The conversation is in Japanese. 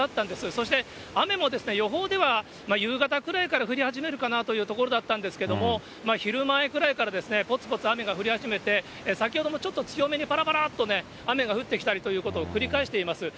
そして雨も予報では夕方くらいから降り始めるかなというところだったんですけれども、昼前くらいからぽつぽつ雨が降り始めて、先ほどもちょっと強めにぱらぱらっと雨が降ってきたりということを繰り返しています。